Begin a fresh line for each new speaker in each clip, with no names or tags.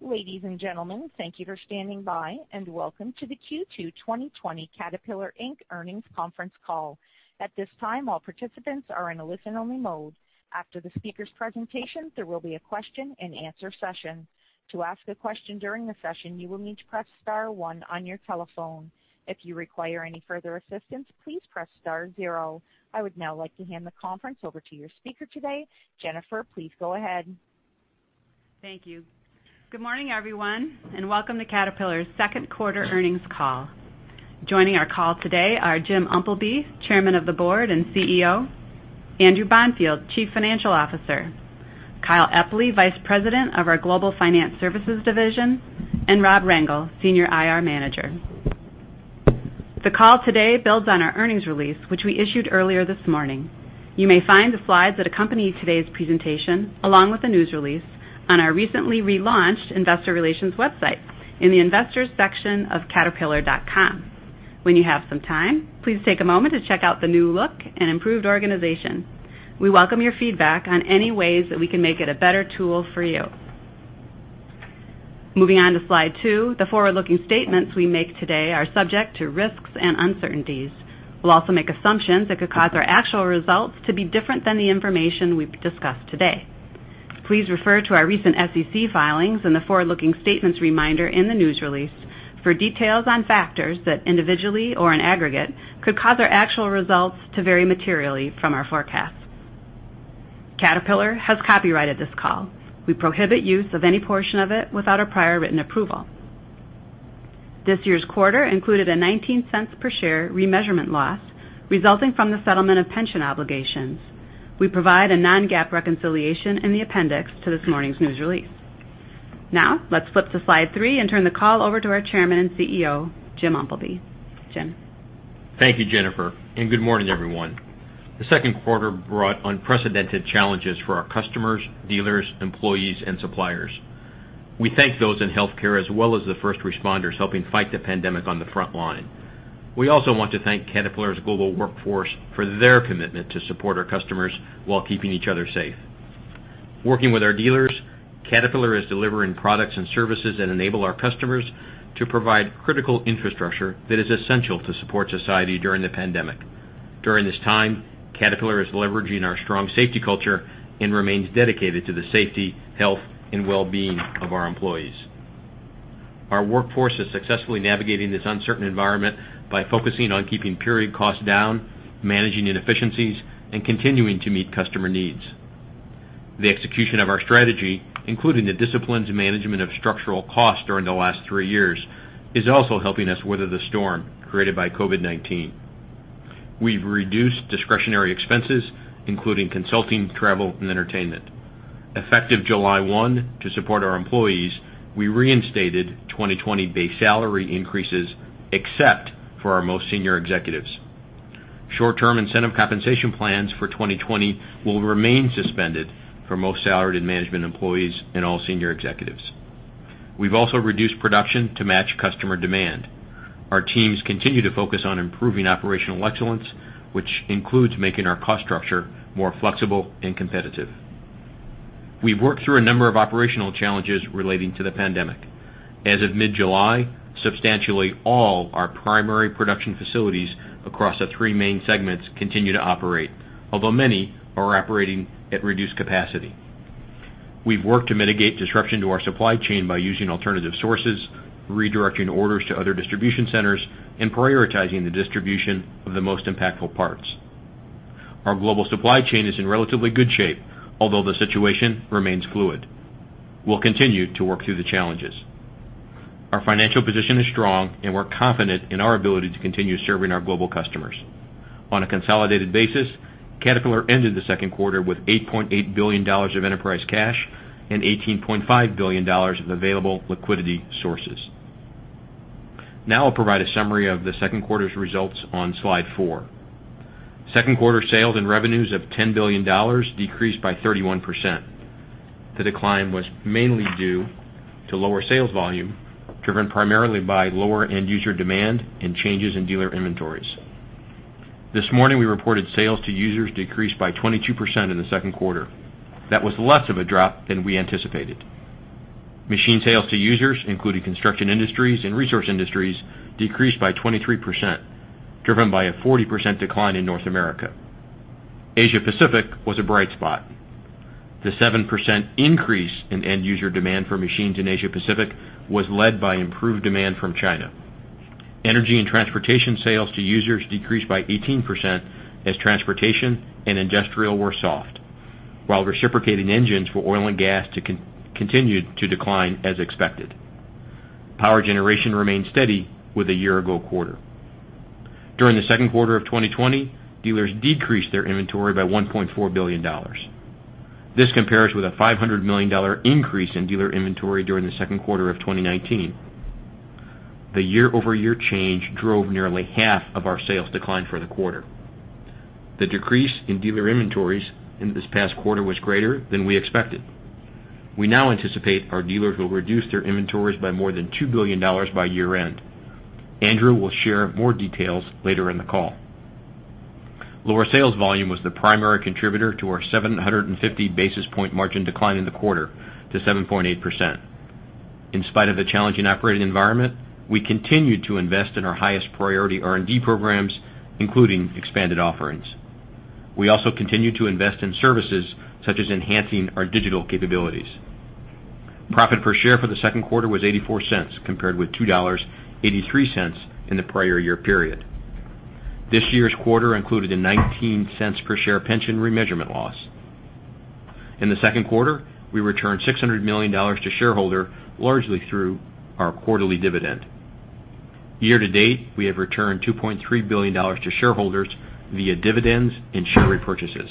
Ladies and gentlemen, thank you for standing by, and welcome to the Q2 2020 Caterpillar Inc. earnings conference call. At this time, all participants are in a listen-only mode. After the speakers' presentation, there will be a question-and-answer session. To ask a question during the session, you will need to press star one on your telephone. If you require any further assistance, please press star zero. I would now like to hand the conference over to your speaker today. Jennifer, please go ahead.
Thank you. Good morning, everyone, and welcome to Caterpillar's Q2 earnings call. Joining our call today are Jim Umpleby, Chairman of the Board and CEO, Andrew Bonfield, Chief Financial Officer, Kyle Epley, Vice President of our Global Finance Services division, and Rob Rengel, Senior IR Manager. The call today builds on our earnings release, which we issued earlier this morning. You may find the slides that accompany today's presentation, along with the news release, on our recently relaunched investor relations website in the Investors section of caterpillar.com. When you have some time, please take a moment to check out the new look and improved organization. We welcome your feedback on any ways that we can make it a better tool for you. Moving on to slide two, the forward-looking statements we make today are subject to risks and uncertainties. We'll also make assumptions that could cause our actual results to be different than the information we discuss today. Please refer to our recent SEC filings and the forward-looking statements reminder in the news release for details on factors that individually or in aggregate could cause our actual results to vary materially from our forecasts. Caterpillar has copyrighted this call. We prohibit use of any portion of it without our prior written approval. This year's quarter included a $0.19 per share remeasurement loss resulting from the settlement of pension obligations. We provide a non-GAAP reconciliation in the appendix to this morning's news release. Now, let's flip to slide three and turn the call over to our Chairman and CEO, Jim Umpleby. Jim?
Thank you, Jennifer, and good morning, everyone. The Q2 brought unprecedented challenges for our customers, dealers, employees, and suppliers. We thank those in healthcare as well as the first responders helping fight the pandemic on the front line. We also want to thank Caterpillar's global workforce for their commitment to support our customers while keeping each other safe. Working with our dealers, Caterpillar is delivering products and services that enable our customers to provide critical infrastructure that is essential to support society during the pandemic. During this time, Caterpillar is leveraging our strong safety culture and remains dedicated to the safety, health, and well-being of our employees. Our workforce is successfully navigating this uncertain environment by focusing on keeping period costs down, managing inefficiencies, and continuing to meet customer needs. The execution of our strategy, including the disciplined management of structural costs during the last three years, is also helping us weather the storm created by COVID-19. We've reduced discretionary expenses, including consulting, travel, and entertainment. Effective July 1, to support our employees, we reinstated 2020 base salary increases, except for our most senior executives. Short-term incentive compensation plans for 2020 will remain suspended for most salaried management employees and all senior executives. We've also reduced production to match customer demand. Our teams continue to focus on improving operational excellence, which includes making our cost structure more flexible and competitive. We've worked through a number of operational challenges relating to the pandemic. As of mid-July, substantially all our primary production facilities across our three main segments continue to operate, although many are operating at reduced capacity. We've worked to mitigate disruption to our supply chain by using alternative sources, redirecting orders to other distribution centers, and prioritizing the distribution of the most impactful parts. Our global supply chain is in relatively good shape, although the situation remains fluid. We'll continue to work through the challenges. Our financial position is strong, and we're confident in our ability to continue serving our global customers. On a consolidated basis, Caterpillar ended the Q2 with $8.8 billion of enterprise cash and $18.5 billion of available liquidity sources. Now I'll provide a summary of the Q2's results on slide four. Q2 sales and revenues of $10 billion decreased by 31%. The decline was mainly due to lower sales volume, driven primarily by lower end user demand and changes in dealer inventories. This morning, we reported sales to users decreased by 22% in the Q2. That was less of a drop than we anticipated. Machine sales to users, including Construction Industries and Resource Industries, decreased by 23%, driven by a 40% decline in North America. Asia-Pacific was a bright spot. The 7% increase in end-user demand for machines in Asia-Pacific was led by improved demand from China. Energy & Transportation sales to users decreased by 18% as transportation and industrial were soft, while reciprocating engines for oil and gas continued to decline as expected. Power Generation remained steady with the year-ago quarter. During the Q2 of 2020, dealers decreased their inventory by $1.4 billion. This compares with a $500 million increase in dealer inventory during the Q2 of 2019. The year-over-year change drove nearly half of our sales decline for the quarter. The decrease in dealer inventories in this past quarter was greater than we expected. We now anticipate our dealers will reduce their inventories by more than $2 billion by year-end. Andrew will share more details later in the call. Lower sales volume was the primary contributor to our 750 basis point margin decline in the quarter to 7.8%. In spite of the challenging operating environment, we continued to invest in our highest priority R&D programs, including expanded offerings. We also continued to invest in services such as enhancing our digital capabilities. Profit per share for the Q2 was $0.84 compared with $2.83 in the prior year period. This year's quarter included a $0.19 per share pension remeasurement loss. In the Q2, we returned $600 million to shareholder, largely through our quarterly dividend. Year-to-date, we have returned $2.3 billion to shareholders via dividends and share repurchases.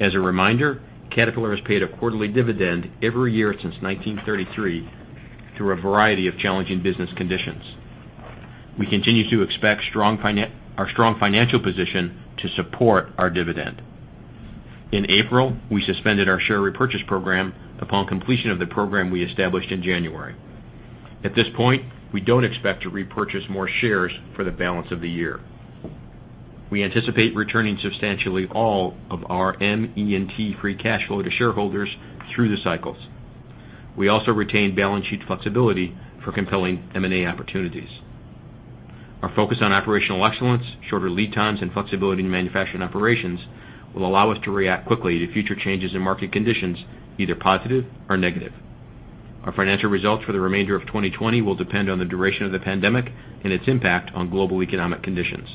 As a reminder, Caterpillar has paid a quarterly dividend every year since 1933 through a variety of challenging business conditions. We continue to expect our strong financial position to support our dividend. In April, we suspended our share repurchase program upon completion of the program we established in January. At this point, we don't expect to repurchase more shares for the balance of the year. We anticipate returning substantially all of our ME&T free cash flow to shareholders through the cycles. We also retain balance sheet flexibility for compelling M&A opportunities. Our focus on operational excellence, shorter lead times, and flexibility in manufacturing operations will allow us to react quickly to future changes in market conditions, either positive or negative. Our financial results for the remainder of 2020 will depend on the duration of the pandemic and its impact on global economic conditions.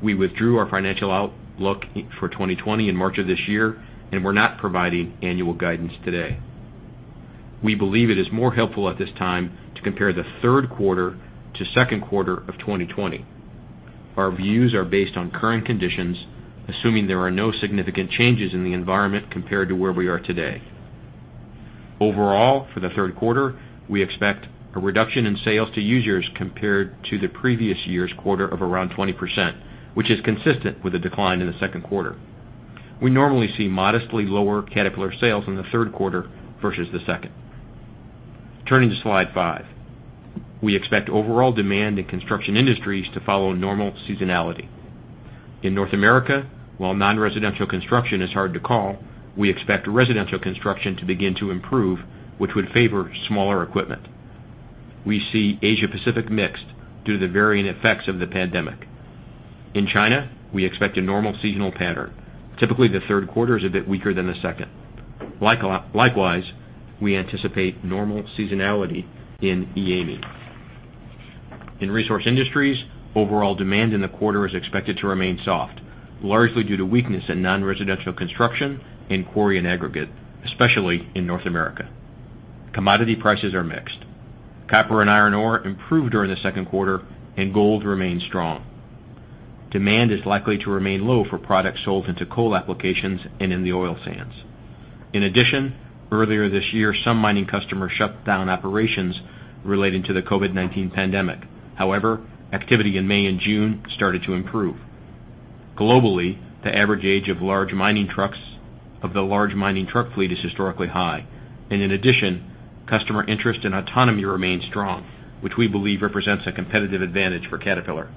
We withdrew our financial outlook for 2020 in March of this year, and we're not providing annual guidance today. We believe it is more helpful at this time to compare the Q3-Q2 of 2020. Our views are based on current conditions, assuming there are no significant changes in the environment compared to where we are today. Overall, for the Q3, we expect a reduction in sales to users compared to the previous year's quarter of around 20%, which is consistent with the decline in the Q2. We normally see modestly lower Caterpillar sales in the Q3 versus the second. Turning to slide five. We expect overall demand in Construction Industries to follow normal seasonality. In North America, while non-residential construction is hard to call, we expect residential construction to begin to improve, which would favor smaller equipment. We see Asia Pacific mixed due to the varying effects of the pandemic. In China, we expect a normal seasonal pattern. Typically, the Q3 is a bit weaker than the second. Likewise, we anticipate normal seasonality in EAME. In Resource Industries, overall demand in the quarter is expected to remain soft, largely due to weakness in non-residential construction and quarry and aggregate, especially in North America. Commodity prices are mixed. Copper and iron ore improved during the Q2, and gold remains strong. Demand is likely to remain low for products sold into coal applications and in the oil sands. In addition, earlier this year, some mining customers shut down operations relating to the COVID-19 pandemic. However, activity in May and June started to improve. Globally, the average age of the large mining truck fleet is historically high. In addition, customer interest in autonomy remains strong, which we believe represents a competitive advantage for Caterpillar.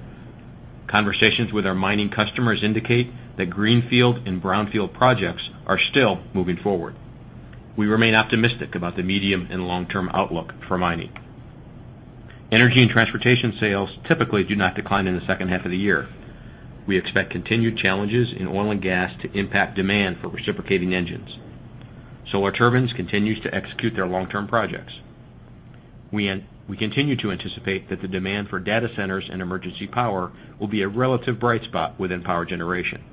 Conversations with our mining customers indicate that greenfield and brownfield projects are still moving forward. We remain optimistic about the medium and long-term outlook for mining. Energy and Transportation sales typically do not decline in the H2 of the year. We expect continued challenges in oil and gas to impact demand for reciprocating engines. Solar Turbines continues to execute their long-term projects. We continue to anticipate that the demand for data centers and emergency power will be a relative bright spot within power generation.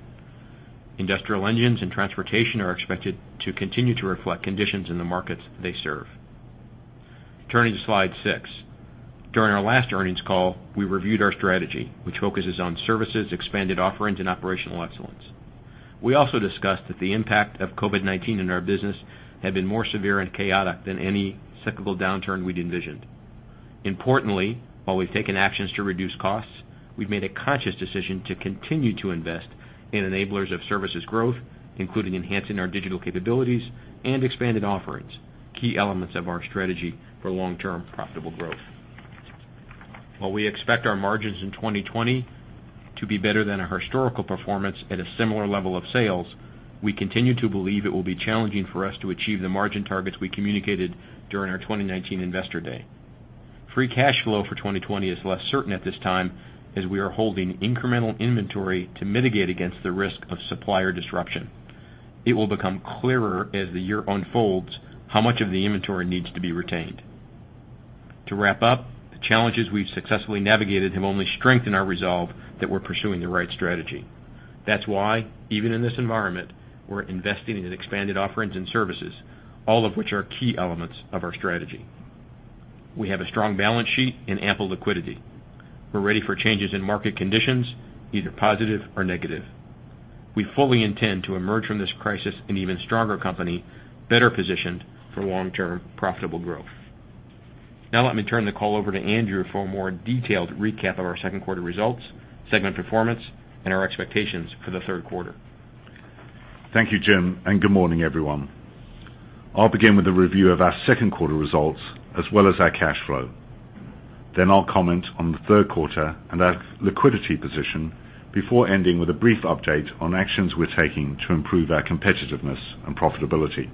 Industrial engines and transportation are expected to continue to reflect conditions in the markets they serve. Turning to slide six. During our last earnings call, we reviewed our strategy, which focuses on services, expanded offerings, and operational excellence. We also discussed that the impact of COVID-19 in our business had been more severe and chaotic than any cyclical downturn we'd envisioned. Importantly, while we've taken actions to reduce costs, we've made a conscious decision to continue to invest in enablers of services growth, including enhancing our digital capabilities and expanded offerings, key elements of our strategy for long-term profitable growth. While we expect our margins in 2020 to be better than our historical performance at a similar level of sales, we continue to believe it will be challenging for us to achieve the margin targets we communicated during our 2019 Investor Day. Free cash flow for 2020 is less certain at this time, as we are holding incremental inventory to mitigate against the risk of supplier disruption. It will become clearer as the year unfolds how much of the inventory needs to be retained. To wrap up, the challenges we've successfully navigated have only strengthened our resolve that we're pursuing the right strategy. That's why, even in this environment, we're investing in expanded offerings and services, all of which are key elements of our strategy. We have a strong balance sheet and ample liquidity. We're ready for changes in market conditions, either positive or negative. We fully intend to emerge from this crisis an even stronger company, better-positioned for long-term profitable growth. Now let me turn the call over to Andrew for a more detailed recap of our Q2 results, segment performance, and our expectations for the Q3.
Thank you, Jim, good morning, everyone. I'll begin with a review of our Q2 results as well as our cash flow. I'll comment on the Q3 and our liquidity position before ending with a brief update on actions we're taking to improve our competitiveness and profitability.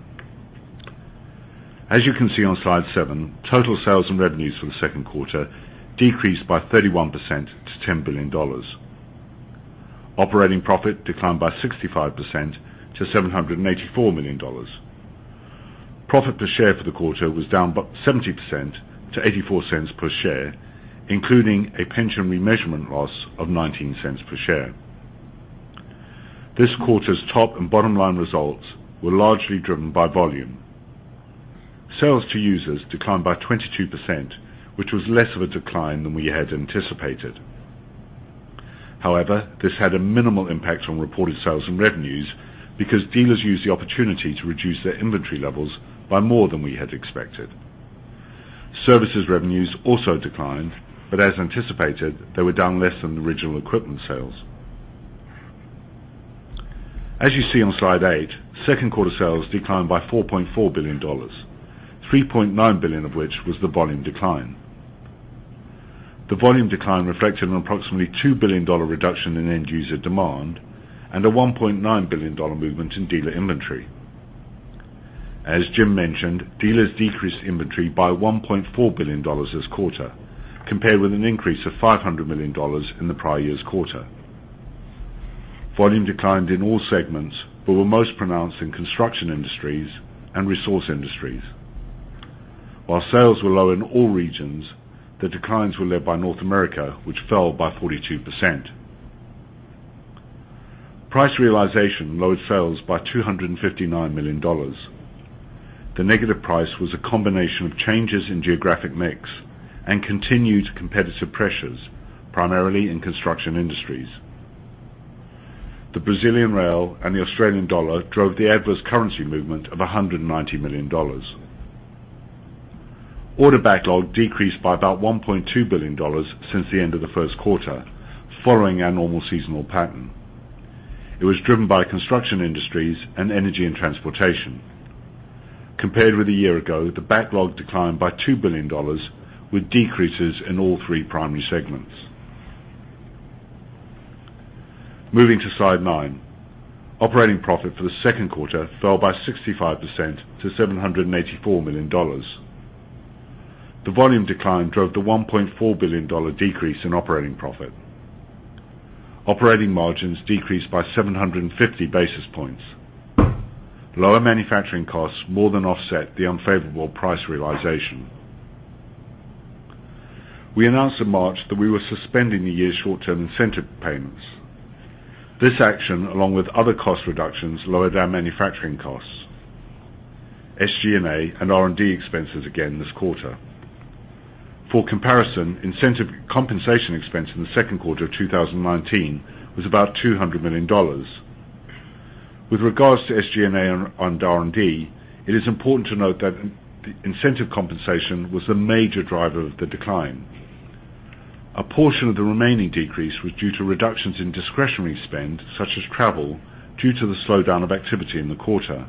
As you can see on slide seven, total sales and revenues for the Q2 decreased by 31% to $10 billion. Operating profit declined by 65% to $784 million. Profit per share for the quarter was down by 70% to $0.84 per share, including a pension remeasurement loss of $0.19 per share. This quarter's top and bottom line results were largely driven by volume. Sales to users declined by 22%, which was less of a decline than we had anticipated. This had a minimal impact on reported sales and revenues because dealers used the opportunity to reduce their inventory levels by more than we had expected. Services revenues also declined, but as anticipated, they were down less than original equipment sales. You see on slide eight, Q2 sales declined by $4.4 billion, $3.9 billion of which was the volume decline. The volume decline reflected an approximately $2 billion reduction in end user demand and a $1.9 billion movement in dealer inventory. Jim mentioned, dealers decreased inventory by $1.4 billion this quarter, compared with an increase of $500 million in the prior year's quarter. Volume declined in all segments but were most pronounced in Construction Industries and Resource Industries. Sales were low in all regions, the declines were led by North America, which fell by 42%. Price realization lowered sales by $259 million. The negative price was a combination of changes in geographic mix and continued competitive pressures, primarily in Construction Industries. The Brazilian real and the Australian dollar drove the adverse currency movement of $190 million. Order backlog decreased by about $1.2 billion since the end of the Q1, following our normal seasonal pattern. It was driven by Construction Industries and Energy & Transportation. Compared with a year ago, the backlog declined by $2 billion, with decreases in all three primary segments. Moving to slide nine. Operating profit for the Q2 fell by 65% to $784 million. The volume decline drove the $1.4 billion decrease in operating profit. Operating margins decreased by 750 basis points. Lower manufacturing costs more than offset the unfavorable price realization. We announced in March that we were suspending the year's short-term incentive payments. This action, along with other cost reductions, lowered our manufacturing costs, SG&A, and R&D expenses again this quarter. For comparison, incentive compensation expense in the Q2 of 2019 was about $200 million. With regards to SG&A and R&D, it is important to note that incentive compensation was the major driver of the decline. A portion of the remaining decrease was due to reductions in discretionary spend, such as travel, due to the slowdown of activity in the quarter.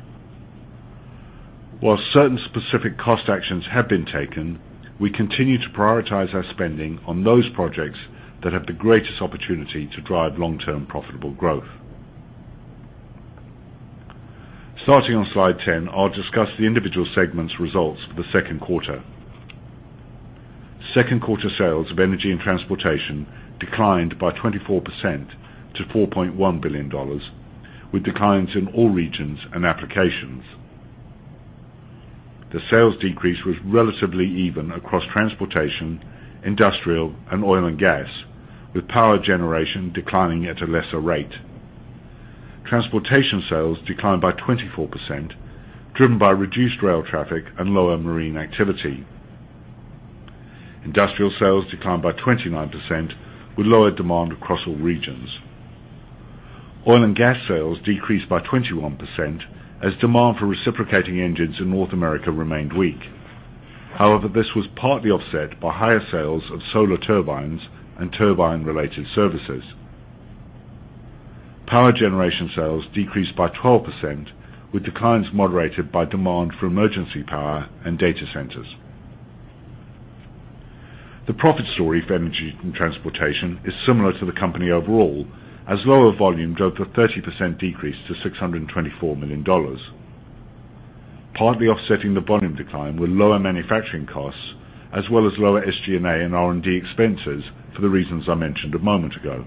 While certain specific cost actions have been taken, we continue to prioritize our spending on those projects that have the greatest opportunity to drive long-term profitable growth. Starting on slide 10, I will discuss the individual segments results for the Q2. Q2 sales of Energy & Transportation declined by 24% to $4.1 billion, with declines in all regions and applications. The sales decrease was relatively even across transportation, industrial, and oil and gas, with power generation declining at a lesser rate. Transportation sales declined by 24%, driven by reduced rail traffic and lower marine activity. Industrial sales declined by 29% with lower demand across all regions. Oil and gas sales decreased by 21% as demand for reciprocating engines in North America remained weak. However, this was partly offset by higher sales of Solar Turbines and turbine-related services. Power generation sales decreased by 12%, with declines moderated by demand for emergency power and data centers. The profit story for Energy & Transportation is similar to the company overall, as lower volume drove a 30% decrease to $624 million. Partly offsetting the volume decline were lower manufacturing costs, as well as lower SG&A and R&D expenses for the reasons I mentioned a moment ago.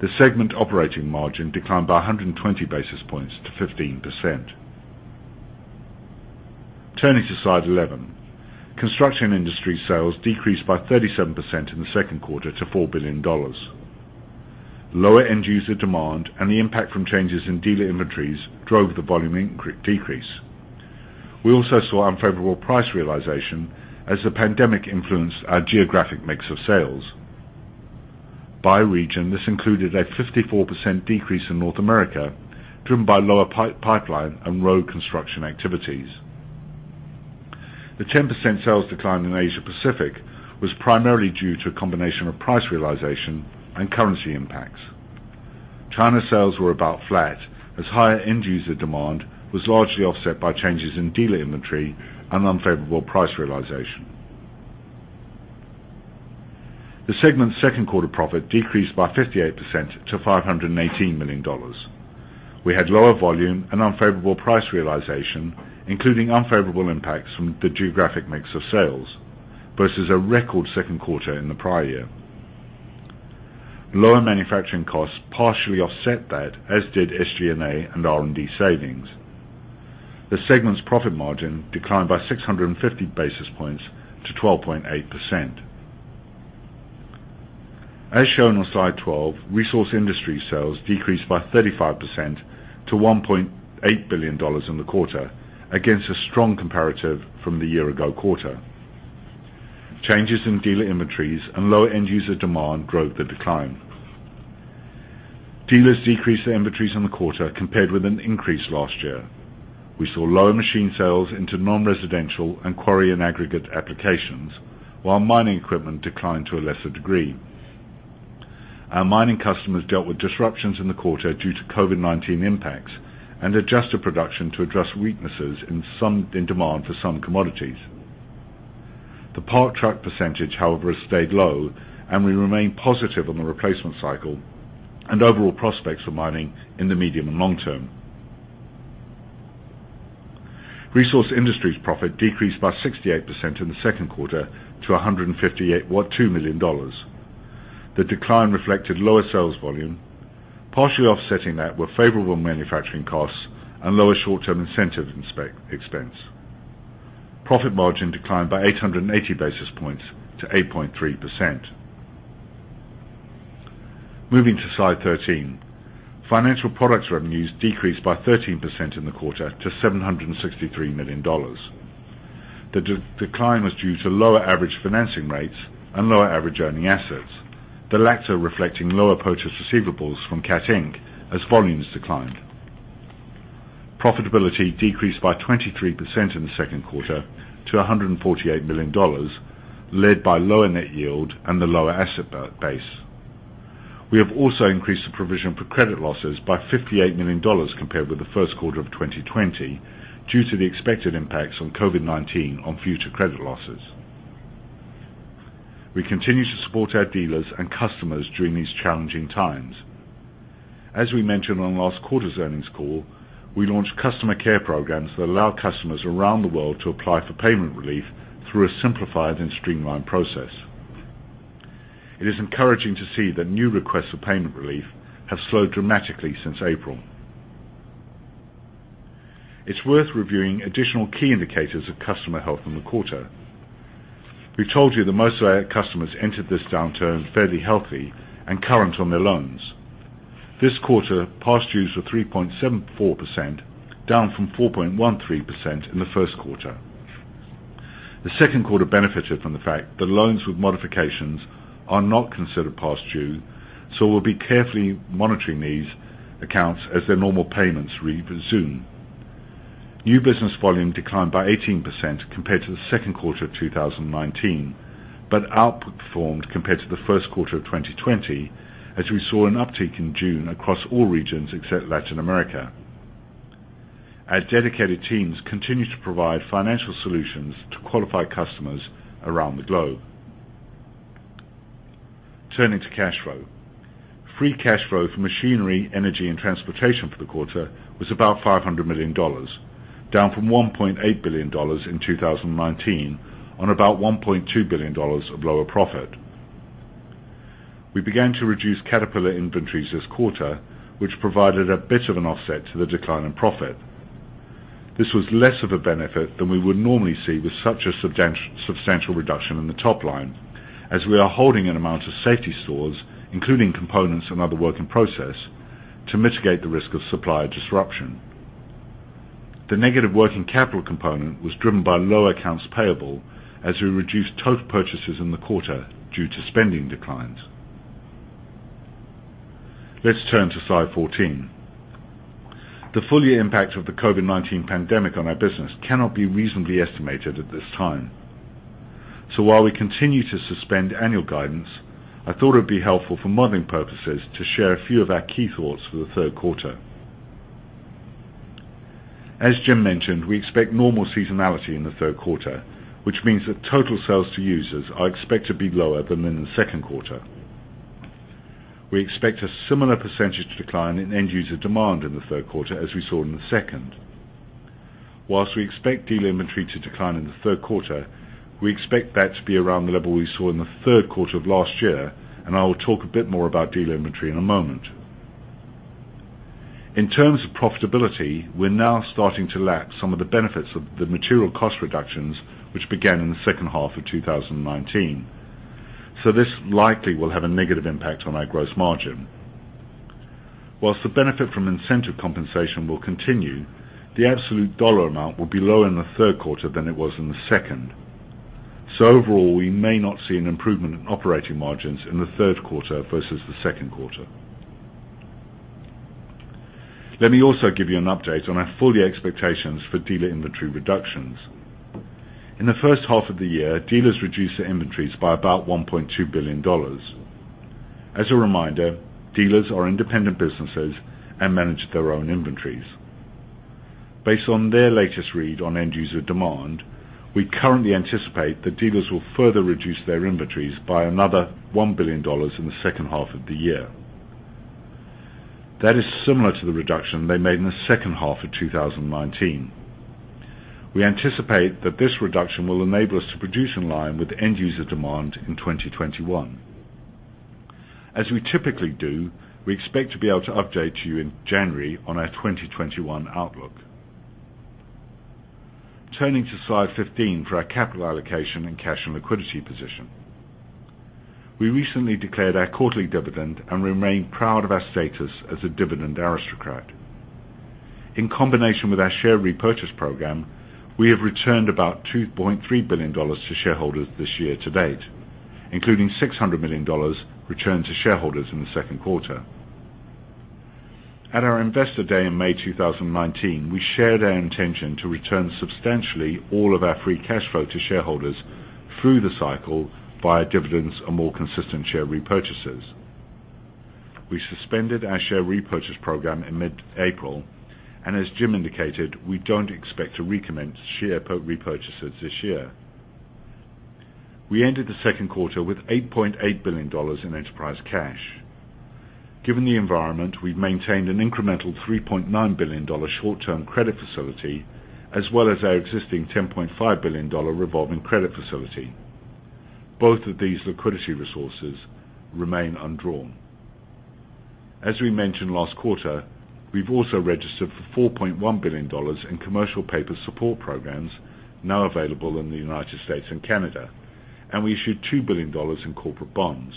The segment operating margin declined by 120 basis points to 15%. Turning to slide 11. Construction Industries sales decreased by 37% in the Q2 to $4 billion. Lower end user demand and the impact from changes in dealer inventories drove the volume decrease. We also saw unfavorable price realization as the pandemic influenced our geographic mix of sales. By region, this included a 54% decrease in North America, driven by lower pipeline and road construction activities. The 10% sales decline in Asia Pacific was primarily due to a combination of price realization and currency impacts. China sales were about flat as higher end user demand was largely offset by changes in dealer inventory and unfavorable price realization. The segment's Q2 profit decreased by 58% to $518 million. We had lower volume and unfavorable price realization, including unfavorable impacts from the geographic mix of sales versus a record Q2 in the prior year. Lower manufacturing costs partially offset that, as did SG&A and R&D savings. The segment's profit margin declined by 650 basis points to 12.8%. As shown on slide 12, Resource Industries sales decreased by 35% to $1.8 billion in the quarter, against a strong comparative from the year ago quarter. Changes in dealer inventories and lower end user demand drove the decline. Dealers decreased their inventories in the quarter compared with an increase last year. We saw lower machine sales into non-residential and quarry and aggregate applications, while mining equipment declined to a lesser degree. Our mining customers dealt with disruptions in the quarter due to COVID-19 impacts and adjusted production to address weaknesses in demand for some commodities. The parked truck percentage, however, has stayed low and we remain positive on the replacement cycle and overall prospects for mining in the medium and long-term. Resource industry's profit decreased by 68% in the Q2 to $152 million. The decline reflected lower sales volume. Partially offsetting that were favorable manufacturing costs and lower short-term incentive expense. Profit margin declined by 880 basis points to 8.3%. Moving to slide 13, financial products revenues decreased by 13% in the quarter to $763 million. The decline was due to lower average financing rates and lower average earning assets, the latter reflecting lower purchase receivables from Caterpillar Inc. as volumes declined. Profitability decreased by 23% in the Q2 to $148 million, led by lower net yield and the lower asset base. We have also increased the provision for credit losses by $58 million compared with the Q1 of 2020 due to the expected impacts on COVID-19 on future credit losses. We continue to support our dealers and customers during these challenging times. As we mentioned on last quarter's earnings call, we launched customer care programs that allow customers around the world to apply for payment relief through a simplified and streamlined process. It is encouraging to see that new requests for payment relief have slowed dramatically since April. It's worth reviewing additional key indicators of customer health in the quarter. We've told you that most of our customers entered this downturn fairly healthy and current on their loans. This quarter, past dues were 3.74%, down from 4.13% in the Q1. The Q2 benefited from the fact that loans with modifications are not considered past due, so we'll be carefully monitoring these accounts as their normal payments resume. New business volume declined by 18% compared to the Q2 of 2019, but outperformed compared to the Q1 of 2020, as we saw an uptick in June across all regions except Latin America. Our dedicated teams continue to provide financial solutions to qualified customers around the globe. Turning to cash flow. Free cash flow for Machinery, Energy, and Transportation for the quarter was about $500 million, down from $1.8 billion in 2019 on about $1.2 billion of lower profit. We began to reduce Caterpillar inventories this quarter, which provided a bit of an offset to the decline in profit. This was less of a benefit than we would normally see with such a substantial reduction in the top line, as we are holding an amount of safety stores, including components and other work in process, to mitigate the risk of supply disruption. The negative working capital component was driven by lower accounts payable as we reduced total purchases in the quarter due to spending declines. Let's turn to slide 14. The full year impact of the COVID-19 pandemic on our business cannot be reasonably estimated at this time. While we continue to suspend annual guidance, I thought it'd be helpful for modeling purposes to share a few of our key thoughts for the Q3. As Jim mentioned, we expect normal seasonality in the Q3, which means that total sales to users are expected to be lower than in the Q2. We expect a similar percentage decline in end user demand in the Q3 as we saw in the second. Whilst we expect dealer inventory to decline in the Q3, we expect that to be around the level we saw in the Q3 of last year, and I will talk a bit more about dealer inventory in a moment. In terms of profitability, we're now starting to lap some of the benefits of the material cost reductions, which began in the H2 of 2019. This likely will have a negative impact on our gross margin. Whilst the benefit from incentive compensation will continue, the absolute dollar amount will be lower in the Q3 than it was in the second. Overall, we may not see an improvement in operating margins in the Q3 versus the Q2. Let me also give you an update on our full-year expectations for dealer inventory reductions. In the H1 of the year, dealers reduced their inventories by about $1.2 billion. As a reminder, dealers are independent businesses and manage their own inventories. Based on their latest read on end-user demand, we currently anticipate that dealers will further reduce their inventories by another $1 billion in the H2 of the year. That is similar to the reduction they made in the H2 of 2019. We anticipate that this reduction will enable us to produce in line with end-user demand in 2021. As we typically do, we expect to be able to update you in January on our 2021 outlook. Turning to slide 15 for our capital allocation and cash and liquidity position. We recently declared our quarterly dividend and remain proud of our status as a dividend aristocrat. In combination with our share repurchase program, we have returned about $2.3 billion to shareholders this year-to-date, including $600 million returned to shareholders in Q2. At our Investor Day in May 2019, we shared our intention to return substantially all of our free cash flow to shareholders through the cycle via dividends and more consistent share repurchases. We suspended our share repurchase program in mid-April, and as Jim indicated, we don't expect to recommence share repurchases this year. We ended Q2 with $8.8 billion in enterprise cash. Given the environment, we've maintained an incremental $3.9 billion short-term credit facility, as well as our existing $10.5 billion revolving credit facility. Both of these liquidity resources remain undrawn. As we mentioned last quarter, we've also registered for $4.1 billion in commercial paper support programs now available in the U.S. and Canada, and we issued $2 billion in corporate bonds.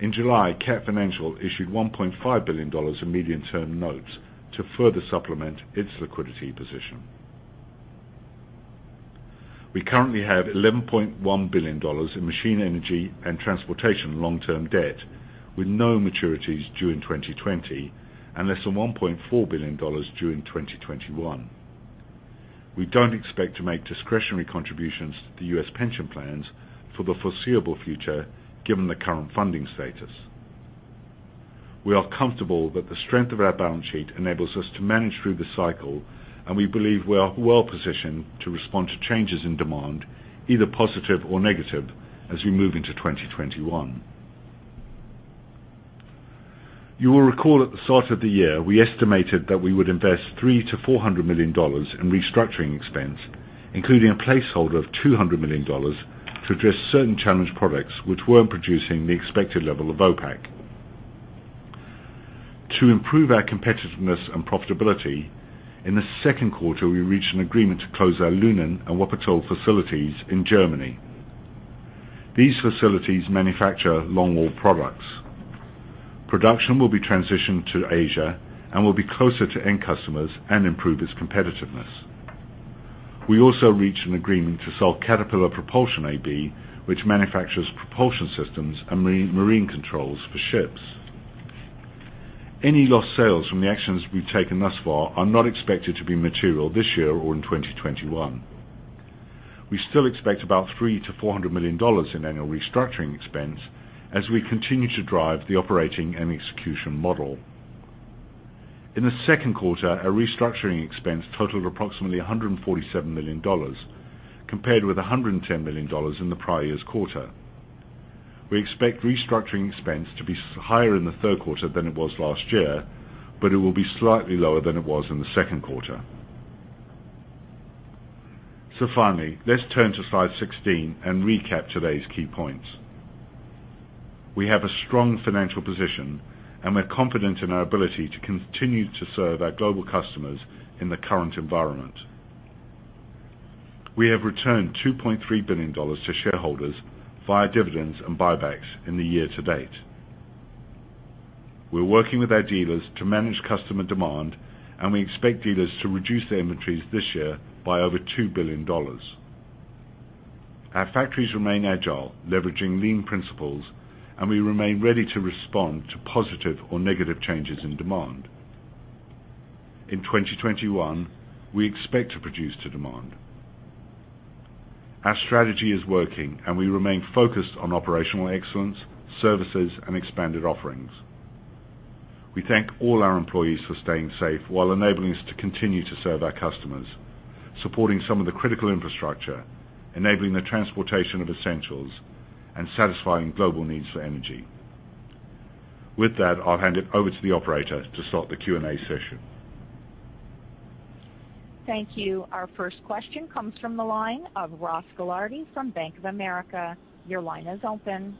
In July, Cat Financial issued $1.5 billion in medium-term notes to further supplement its liquidity position. We currently have $11.1 billion in Machinery, Energy and Transportation long-term debt, with no maturities due in 2020 and less than $1.4 billion due in 2021. We don't expect to make discretionary contributions to the U.S. pension plans for the foreseeable future, given the current funding status. We are comfortable that the strength of our balance sheet enables us to manage through the cycle, and we believe we are well-positioned to respond to changes in demand, either positive or negative, as we move into 2021. You will recall at the start of the year, we estimated that we would invest $300 million-$400 million in restructuring expense, including a placeholder of $200 million to address certain challenged products which weren't producing the expected level of OPACC. To improve our competitiveness and profitability, in the Q2, we reached an agreement to close our Lünen and Wuppertal facilities in Germany. These facilities manufacture longwall products. Production will be transitioned to Asia and will be closer to end customers and improve its competitiveness. We also reached an agreement to sell Caterpillar Propulsion AB, which manufactures propulsion systems and marine controls for ships. Any lost sales from the actions we've taken thus far are not expected to be material this year or in 2021. We still expect about $300 million-$400 million in annual restructuring expense as we continue to drive the operating and execution model. In the Q2, our restructuring expense totaled approximately $147 million, compared with $110 million in the prior year's quarter. We expect restructuring expense to be higher in the Q3 than it was last year, but it will be slightly lower than it was in the Q2. Finally, let's turn to slide 16 and recap today's key points. We have a strong financial position, and we're confident in our ability to continue to serve our global customers in the current environment. We have returned $2.3 billion to shareholders via dividends and buybacks in the year-to-date. We're working with our dealers to manage customer demand, and we expect dealers to reduce their inventories this year by over $2 billion. Our factories remain agile, leveraging lean principles, and we remain ready to respond to positive or negative changes in demand. In 2021, we expect to produce to demand. Our strategy is working, and we remain focused on operational excellence, services, and expanded offerings. We thank all our employees for staying safe while enabling us to continue to serve our customers, supporting some of the critical infrastructure, enabling the transportation of essentials, and satisfying global needs for energy. With that, I'll hand it over to the operator to start the Q&A session.
Thank you. Our first question comes from the line of Ross Gilardi from Bank of America. Your line is open.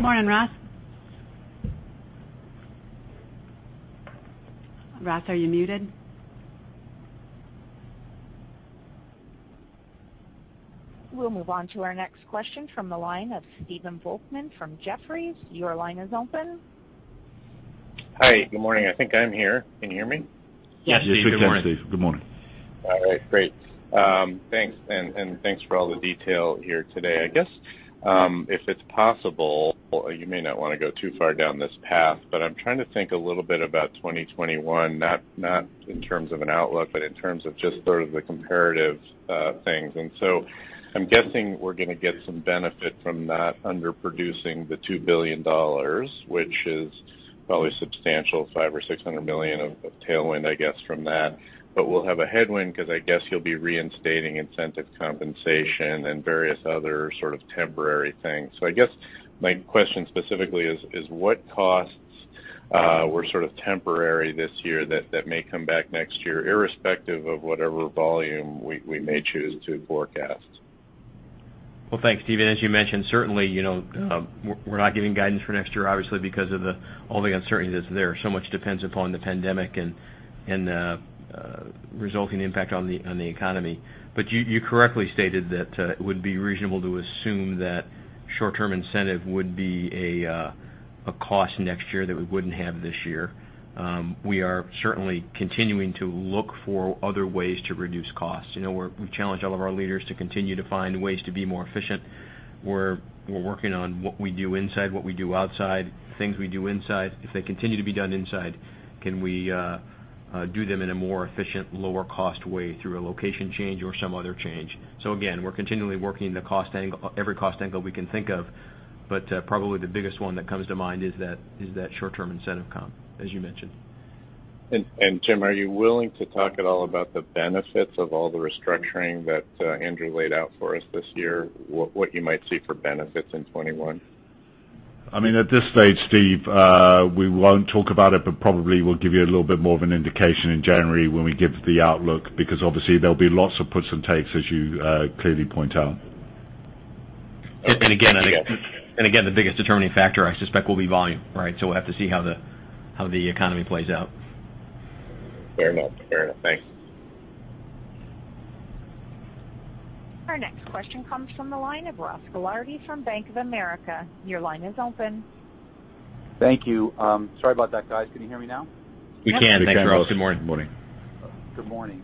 Morning, Ross. Ross, are you muted? We'll move on to our next question from the line of Stephen Volkmann from Jefferies. Your line is open.
Hi. Good morning. I think I'm here. Can you hear me?
Yes, Steve. Good morning.
Yes, we can, Steve. Good morning.
All right. Great. Thanks. Thanks for all the detail here today. I guess, if it's possible, you may not want to go too far down this path. I'm trying to think a little bit about 2021, not in terms of an outlook, but in terms of just sort of the comparative things. I'm guessing we're going to get some benefit from not under-producing the $2 billion, which is probably a substantial $500 or $600 million of tailwind, I guess, from that. We'll have a headwind because I guess you'll be reinstating incentive compensation and various other sort of temporary things. I guess my question specifically is, what costs were sort of temporary this year that may come back next year, irrespective of whatever volume we may choose to forecast?
Well, thanks, Steve. As you mentioned, certainly, we're not giving guidance for next year, obviously, because of all the uncertainty that's there. Much depends upon the pandemic and the resulting impact on the economy. You correctly stated that it would be reasonable to assume that short-term incentive would be a cost next year that we wouldn't have this year. We are certainly continuing to look for other ways to reduce costs. We challenge all of our leaders to continue to find ways to be more efficient. We're working on what we do inside, what we do outside. Things we do inside, if they continue to be done inside, can we do them in a more efficient, lower cost way through a location change or some other change? Again, we're continually working every cost angle we can think of. Probably the biggest one that comes to mind is that short-term incentive comp, as you mentioned.
Jim, are you willing to talk at all about the benefits of all the restructuring that Andrew laid out for us this year, what you might see for benefits in 2021?
At this stage, Steve, we won't talk about it. Probably we'll give you a little bit more of an indication in January when we give the outlook, because obviously there'll be lots of puts and takes, as you clearly point out.
Again, the biggest determining factor I suspect will be volume. Right? We'll have to see how the economy plays out.
Fair enough. Thanks.
Our next question comes from the line of Ross Gilardi from Bank of America. Your line is open.
Thank you. Sorry about that, guys. Can you hear me now?
We can. Thanks, Ross.
We can. Good morning.
Good morning.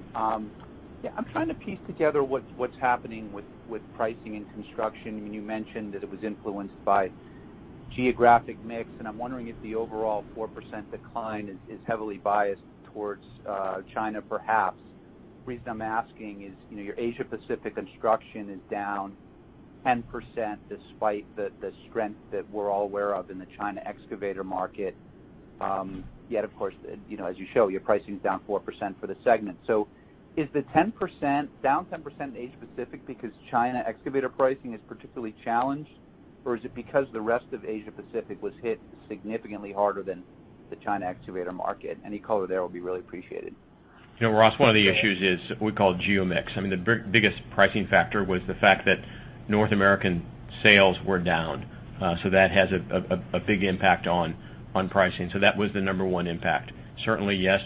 I'm trying to piece together what's happening with pricing in Construction. You mentioned that it was influenced by geographic mix, and I'm wondering if the overall 4% decline is heavily biased towards China, perhaps. The reason I'm asking is your Asia Pacific Construction is down 10%, despite the strength that we're all aware of in the China excavator market. Of course, as you show, your pricing's down 4% for the segment. Is the down 10% Asia Pacific because China excavator pricing is particularly challenged, or is it because the rest of Asia Pacific was hit significantly harder than the China excavator market? Any color there will be really appreciated.
Ross, one of the issues is what we call geo mix. The biggest pricing factor was the fact that North American sales were down. That has a big impact on pricing. That was the number one impact. Certainly, yes,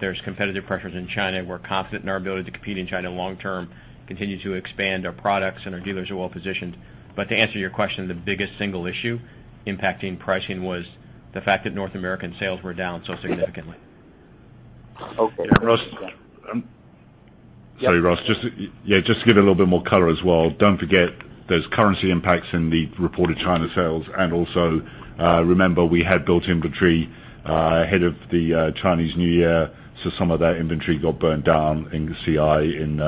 there's competitive pressures in China. We're confident in our ability to compete in China long term, continue to expand our products, and our dealers are well-positioned. To answer your question, the biggest single issue impacting pricing was the fact that North American sales were down so significantly.
Okay.
Ross. Sorry, Ross. Just to give it a little bit more color as well, don't forget there's currency impacts in the reported China sales, and also remember we had built inventory ahead of the Chinese New Year, so some of that inventory got burned down in CI in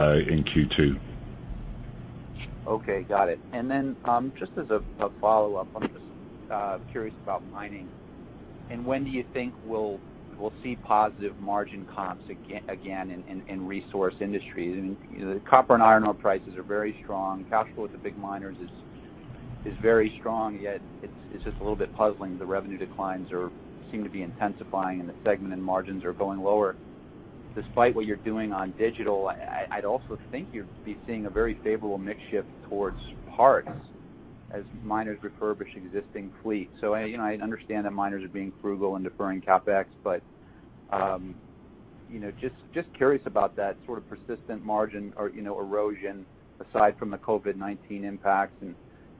Q2.
Okay. Got it. Just as a follow-up, I'm just curious about mining and when do you think we'll see positive margin comps again in Resource Industries? Copper and iron ore prices are very strong. Cash flow with the big miners is very strong, yet it's just a little bit puzzling. The revenue declines seem to be intensifying in the segment and margins are going lower. Despite what you're doing on digital, I'd also think you'd be seeing a very favorable mix shift towards parts as miners refurbish existing fleet. I understand that miners are being frugal and deferring CapEx, but just curious about that sort of persistent margin erosion aside from the COVID-19 impacts.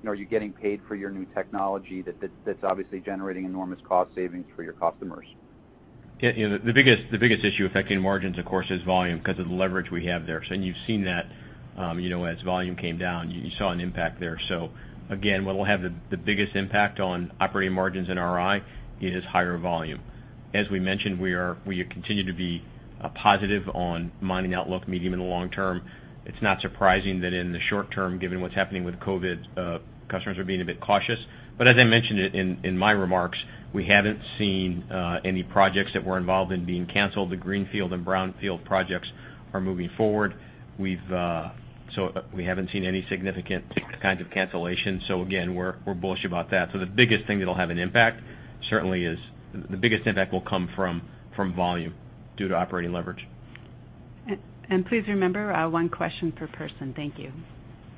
Are you getting paid for your new technology that's obviously generating enormous cost savings for your customers?
The biggest issue affecting margins, of course, is volume because of the leverage we have there. You've seen that as volume came down, you saw an impact there. Again, what will have the biggest impact on operating margins in RI is higher volume. As we mentioned, we continue to be positive on mining outlook medium and long-term. It's not surprising that in the short-term, given what's happening with COVID-19, customers are being a bit cautious. As I mentioned it in my remarks, we haven't seen any projects that we're involved in being canceled. The greenfield and brownfield projects are moving forward. We haven't seen any significant kinds of cancellations. Again, we're bullish about that. The biggest thing that'll have an impact certainly is the biggest impact will come from volume due to operating leverage.
Please remember, one question per person. Thank you.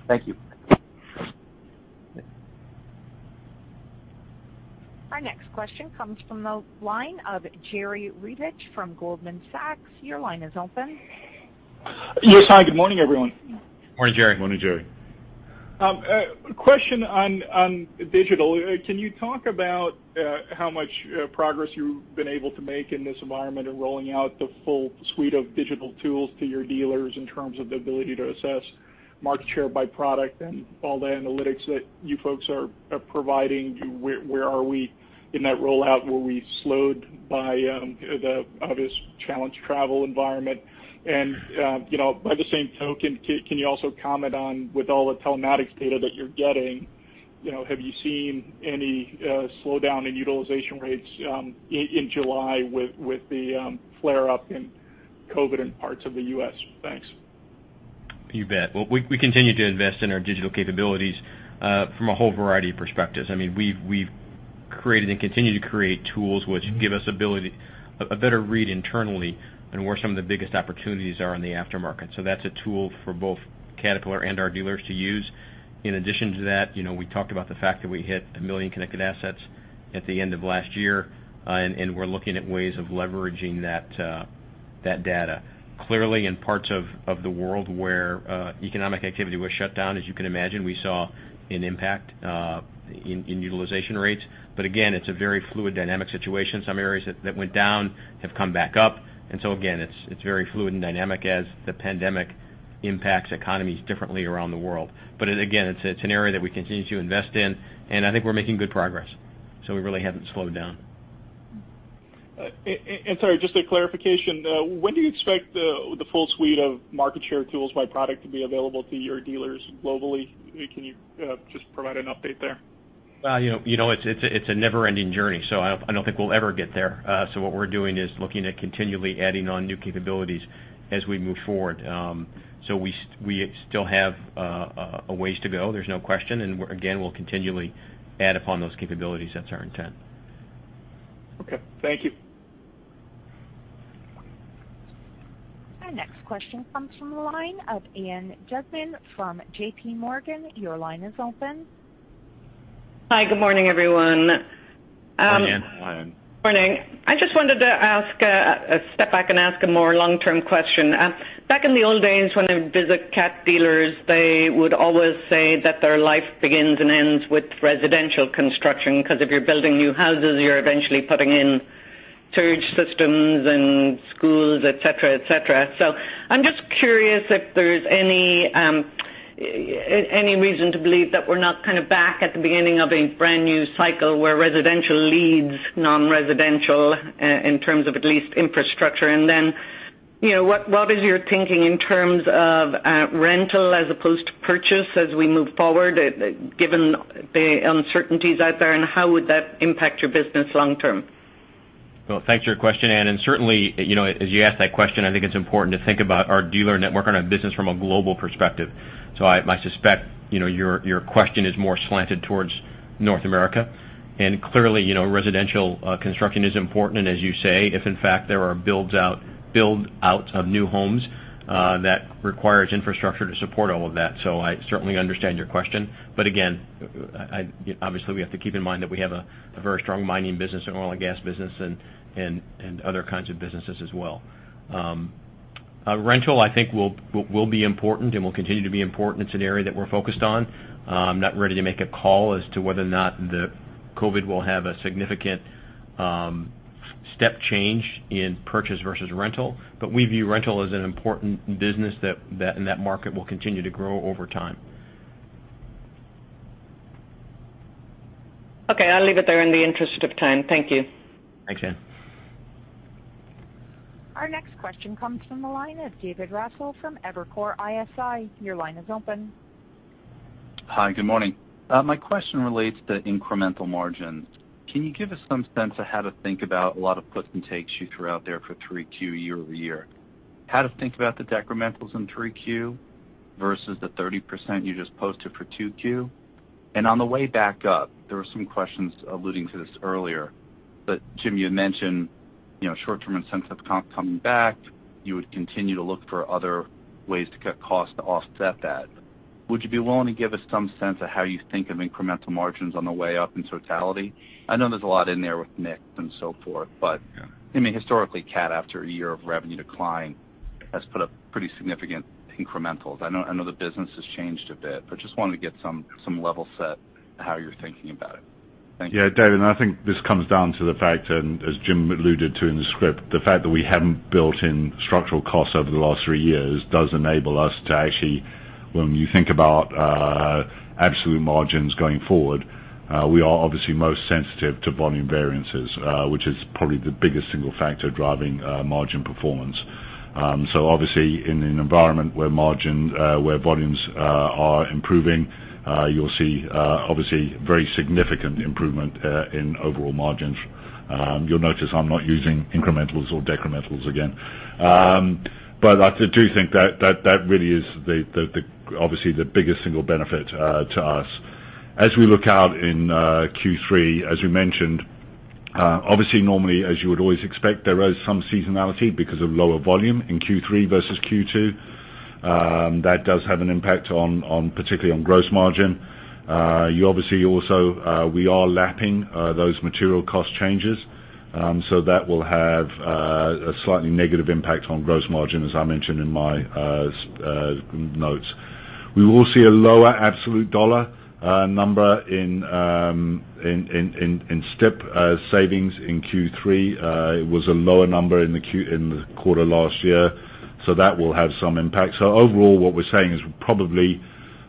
Thank you.
Our next question comes from the line of Jerry Revich from Goldman Sachs. Your line is open.
Yes, hi. Good morning, everyone.
Morning, Jerry.
Morning, Jerry.
A question on digital. Can you talk about how much progress you've been able to make in this environment in rolling out the full suite of digital tools to your dealers in terms of the ability to assess market share by product and all the analytics that you folks are providing? Where are we in that rollout? Were we slowed by the obvious challenged travel environment? By the same token, can you also comment on, with all the telematics data that you're getting, have you seen any slowdown in utilization rates in July with the flare-up in COVID in parts of the U.S.? Thanks.
You bet. Well, we continue to invest in our digital capabilities from a whole variety of perspectives. We've created and continue to create tools which give us a better read internally on where some of the biggest opportunities are in the aftermarket. That's a tool for both Caterpillar and our dealers to use. In addition to that, we talked about the fact that we hit 1 million connected assets at the end of last year, and we're looking at ways of leveraging that data. Clearly, in parts of the world where economic activity was shut down, as you can imagine, we saw an impact in utilization rates. Again, it's a very fluid, dynamic situation. Some areas that went down have come back up. Again, it's very fluid and dynamic as the pandemic impacts economies differently around the world. Again, it's an area that we continue to invest in, and I think we're making good progress. We really haven't slowed down.
Sorry, just a clarification. When do you expect the full suite of market share tools by product to be available to your dealers globally? Can you just provide an update there?
It's a never-ending journey, so I don't think we'll ever get there. What we're doing is looking at continually adding on new capabilities as we move forward. We still have a ways to go, there's no question. Again, we'll continually add upon those capabilities. That's our intent.
Okay. Thank you.
Our next question comes from the line of Ann Duignan from J.P. Morgan. Your line is open.
Hi. Good morning, everyone.
Morning, Ann.
Morning.
Morning. I just wanted to step back and ask a more long-term question. Back in the old days when I would visit Cat dealers, they would always say that their life begins and ends with residential construction, because if you're building new houses, you're eventually putting in sewage systems and schools, et cetera. I'm just curious if there's any reason to believe that we're not kind of back at the beginning of a brand new cycle where residential leads non-residential in terms of at least infrastructure. What is your thinking in terms of rental as opposed to purchase as we move forward, given the uncertainties out there, and how would that impact your business long-term?
Thanks for your question, Ann, certainly, as you ask that question, I think it's important to think about our dealer network and our business from a global perspective. I suspect your question is more slanted towards North America. Clearly, residential construction is important, as you say, if in fact there are build-outs of new homes, that requires infrastructure to support all of that. I certainly understand your question. Again, obviously, we have to keep in mind that we have a very strong mining business, an oil and gas business, and other kinds of businesses as well. Rental, I think will be important and will continue to be important. It's an area that we're focused on. I'm not ready to make a call as to whether or not the COVID-19 will have a significant step change in purchase versus rental. We view rental as an important business, and that market will continue to grow over time.
Okay. I'll leave it there in the interest of time. Thank you.
Thanks, Ann.
Our next question comes from the line of David Raso from Evercore ISI. Your line is open.
Hi. Good morning. My question relates to incremental margins. Can you give us some sense of how to think about a lot of puts and takes you threw out there for 3Q year-over-year? How to think about the decrementals in 3Q versus the 30% you just posted for 2Q? On the way back up, there were some questions alluding to this earlier, but Jim, you had mentioned short-term incentive comp coming back. You would continue to look for other ways to cut costs to offset that. Would you be willing to give us some sense of how you think of incremental margins on the way up in totality? I know there's a lot in there with mix and so forth, but historically, Cat, after a year of revenue decline, has put up pretty significant incrementals. I know the business has changed a bit, but just wanted to get some level set how you're thinking about it. Thank you.
Yeah, David, I think this comes down to the fact, and as Jim alluded to in the script, the fact that we haven't built in structural costs over the last three years does enable us to actually, when you think about absolute margins going forward, we are obviously most sensitive to volume variances, which is probably the biggest single factor driving margin performance. Obviously, in an environment where volumes are improving, you'll see obviously very significant improvement in overall margins. You'll notice I'm not using incrementals or decrementals again. I do think that that really is obviously the biggest single benefit to us. As we look out in Q3, as we mentioned, obviously normally, as you would always expect, there is some seasonality because of lower volume in Q3 versus Q2. That does have an impact particularly on gross margin. You obviously also, we are lapping those material cost changes, so that will have a slightly negative impact on gross margin, as I mentioned in my notes. We will see a lower absolute dollar number in STIP savings in Q3. It was a lower number in the quarter last year, so that will have some impact. Overall, what we're saying is probably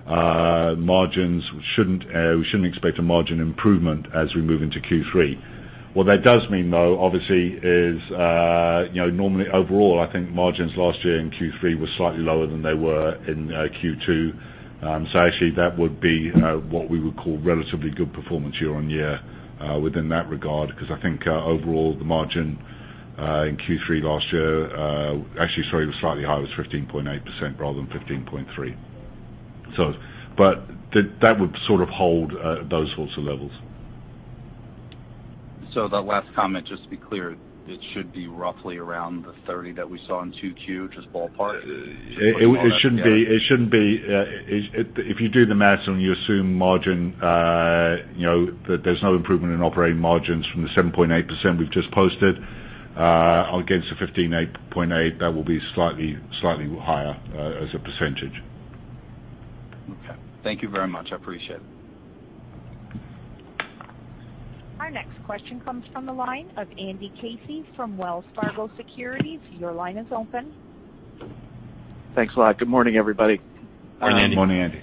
we shouldn't expect a margin improvement as we move into Q3. What that does mean, though, obviously, is normally overall, I think margins last year in Q3 were slightly lower than they were in Q2. Actually, that would be what we would call relatively good performance year-on-year within that regard, because I think overall, the margin in Q3 last year, actually, sorry, it was slightly higher, it was 15.8% rather than 15.3%. That would sort of hold those sorts of levels.
That last comment, just to be clear, it should be roughly around the 30 that we saw in 2Q, just ballpark?
It shouldn't be. If you do the math and you assume that there's no improvement in operating margins from the 7.8% we've just posted against the 15.8%, that will be slightly higher as a percentage.
Okay. Thank you very much. I appreciate it.
Our next question comes from the line of Andrew Casey from Wells Fargo Securities. Your line is open.
Thanks a lot. Good morning, everybody.
Good morning, Andy.